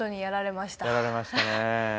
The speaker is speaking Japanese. やられましたね。